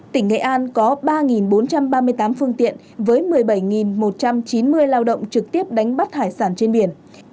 tỉnh nghệ an có ba bốn trăm ba mươi tám phương tiện với một mươi bảy một trăm chín mươi lao động trực tiếp đánh bắt hải sản trên biển